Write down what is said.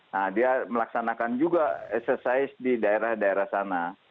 nah dia melaksanakan juga exercise di daerah daerah sana